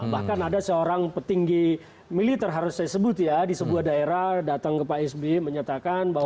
bahkan ada seorang petinggi militer harus saya sebut ya di sebuah daerah datang ke pak sby menyatakan bahwa